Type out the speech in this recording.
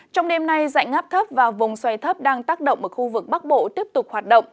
trong đêm nay dạnh ngáp thấp và vùng xoay thấp đang tác động ở khu vực bắc bộ tiếp tục hoạt động